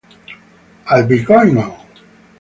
I'll be going on.